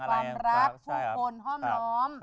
ความรักผู้คนห้อมล้อม